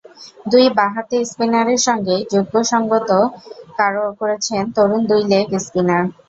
দুই বাঁহাতি স্পিনারের সঙ্গেই যোগ্য সংগত করেছেন তরুণ দুই লেগ স্পিনার।